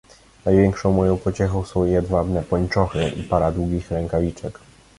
"Największą moją pociechą są jedwabne pończochy i para długich rękawiczek."